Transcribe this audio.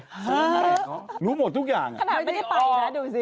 หรือเปล่าเหรอรู้หมดทุกอย่างขนาดไม่ได้ไปนะดูสิ